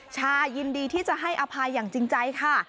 ชายินดีที่จะให้อภัยอย่างจริงใจค่ะ